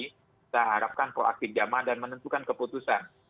kita harapkan proaktif jamaah dan menentukan keputusan